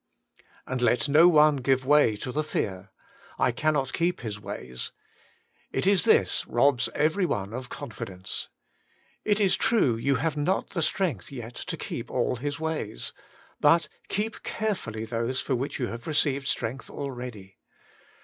And let no one give way to the fear : I cannot keep His ways; it is this rohs one of every con fidence. It is true you have not the strength yet to keep all His ways. But keep carefully those for which you have received strength already.